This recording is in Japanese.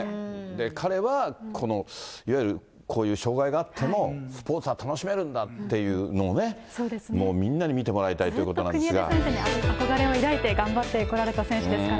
彼はこのいわゆる、こういう障害があってもスポーツは楽しめるんだっていうのをね、みんなに見てもらいたいということなんですが。